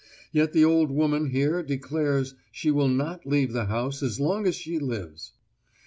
Yet the old woman here declares she will not leave the house as long as she lives!